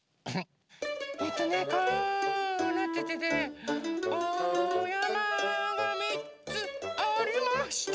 えっとねこうなっててねおやまが３つありまして。